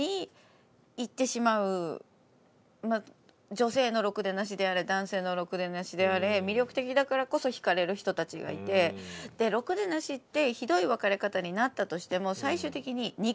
女性のろくでなしであれ男性のろくでなしであれ魅力的だからこそ惹かれる人たちがいてろくでなしってなるほどね。